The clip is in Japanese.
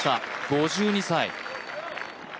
５２歳。